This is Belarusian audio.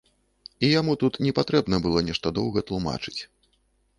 І яму тут не патрэбна было нешта доўга тлумачыць.